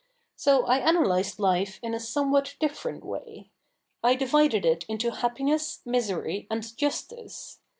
So I analysed life in a somewhat different way. I divided it into happiness, misery, and justice.